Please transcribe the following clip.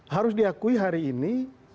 harus diakui hari ini